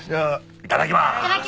いただきます。